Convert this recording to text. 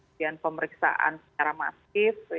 dan pemeriksaan secara masif